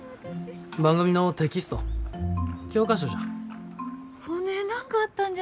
番組のテキスト、教科書じゃ。